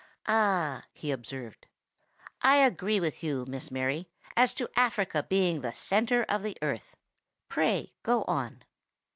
"Ah!" he observed, "I agree with you, Miss Mary, as to Africa being the centre of the earth. Pray go on."